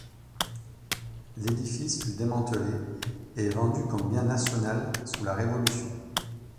L’édifice fut démantelé et vendu comme bien national sous la Révolution.